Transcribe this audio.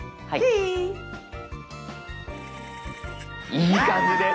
いい感じです。